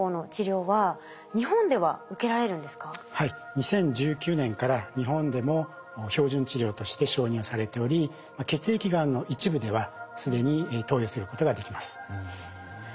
２０１９年から日本でも標準治療として承認はされており血液がんの一部では既に投与することができます。